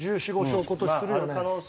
１４１５勝今年するよね。